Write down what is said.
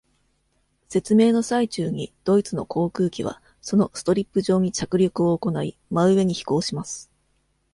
説明の最中に、ドイツの航空機はそのストリップ上に着陸を行ない、真上に飛行します。